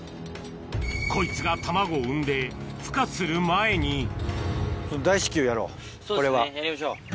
こいつが卵を産んでそうですねやりましょう。